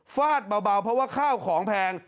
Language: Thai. ฟาดเบาเพราะว่าข้าวของแพง